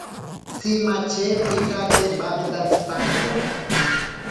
Tsimatye pijate bametantsipanko.